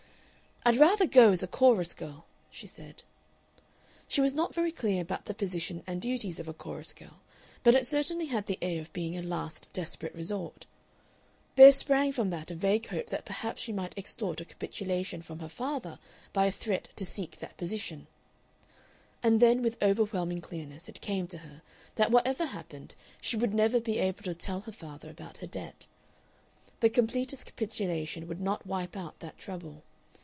"I'd rather go as a chorus girl," she said. She was not very clear about the position and duties of a chorus girl, but it certainly had the air of being a last desperate resort. There sprang from that a vague hope that perhaps she might extort a capitulation from her father by a threat to seek that position, and then with overwhelming clearness it came to her that whatever happened she would never be able to tell her father about her debt. The completest capitulation would not wipe out that trouble.